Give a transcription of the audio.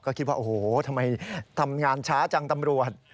ก็คิดว่าโอ้โหทำไมทำงานช้าจังตำรวจ